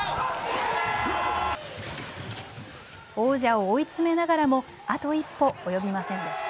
王者を追い詰めながらも、あと一歩及びませんでした。